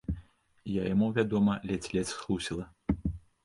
Я яму, вядома, ледзь-ледзь схлусіла.